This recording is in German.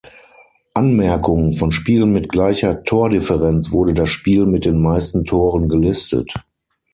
Anmerkung: Von Spielen mit gleicher Tordifferenz wurde das Spiel mit den meisten Toren gelistet.